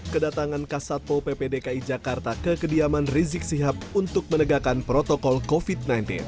kedatangan kasatpo ppdki jakarta ke kediaman rizik sihab untuk menegakkan protokol covid sembilan belas